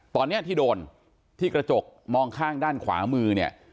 ตอนนี้ที่โดนที่กระจกมองข้างด้านขวามือเนี่ย